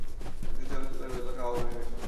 বৃষ্টি থামিতে বেলা কাবার হইয়া আসিল।